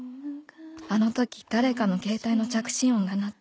あのとき誰かの携帯の着信音が鳴った」